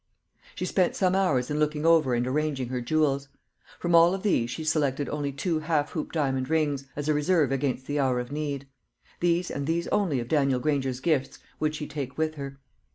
She spent some hours in looking over and arranging her jewels. From all of these she selected only two half hoop diamond rings, as a reserve against the hour of need. These and these only of Daniel Granger's gifts would she take with her.